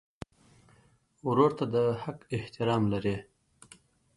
ورور ته د حق احترام لرې.